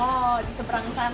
oh di seberang sana